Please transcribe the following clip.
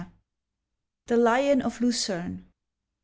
THE LION OF LUCERNE.